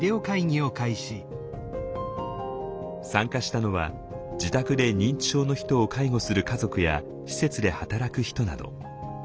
参加したのは自宅で認知症の人を介護する家族や施設で働く人など。